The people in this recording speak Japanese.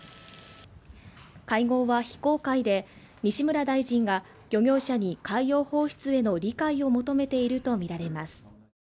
会合は非公開で、西村大臣が漁業者に海洋放出への理解を求めているとみられます。